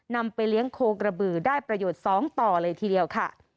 นำไปเลี้ยงโคกระบือได้ประโยชน์๒ต่อเลยทีเดียวค่ะ